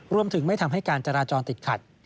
รวมถึงไม่ทำให้การจราจรติดขัด